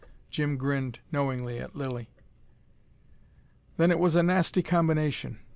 Jim grinned knowingly at Lilly. "Then it was a nasty combination.